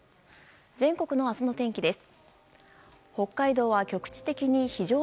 全国の明日の天気です。